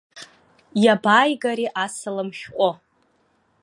Иабаагари асалам шәҟәы?